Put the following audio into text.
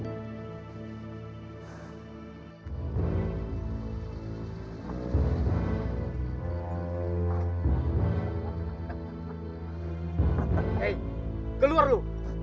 hei keluar lu